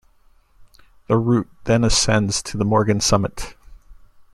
The route then ascends to the Morgan Summit.